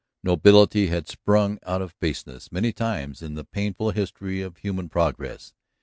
Nobility had sprung out of baseness many times in the painful history of human progress.